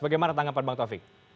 bagaimana tanggapan bang taufik